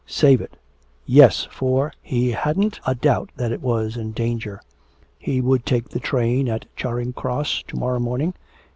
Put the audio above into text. Save it! Yes, for he hadn't a doubt that it was in danger. ... He would take the train at Charing Cross to morrow morning.